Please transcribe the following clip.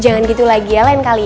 jangan gitu lagi ya lain kali